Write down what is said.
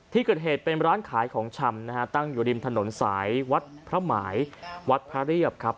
ที่เกิดเหตุเป็นร้านขายของชำนะฮะตั้งอยู่ริมถนนสายวัดพระหมายวัดพระเรียบครับ